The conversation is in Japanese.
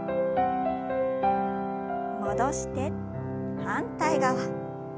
戻して反対側。